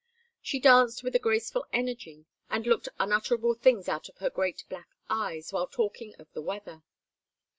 She danced with a graceful energy and looked unutterable things out of her great black eyes while talking of the weather.